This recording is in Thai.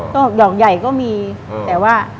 ก็ดอกใหญ่ก็มีแต่ว่า